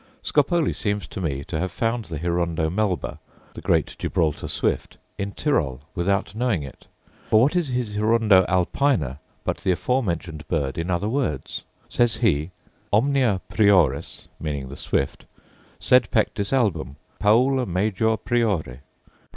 Scopoli seems to me to have found the hirundo melba, the great Gibraltar swift, in Tirol, without knowing it. For what is his hirundo alpina but the afore mentioned bird in other words? Says he, 'Omnia prioris' (meaning the swift); 'sed pectus album; paulo major priore.